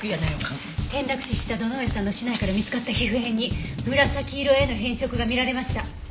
転落死した堂上さんの竹刀から見つかった皮膚片に紫色への変色が見られました。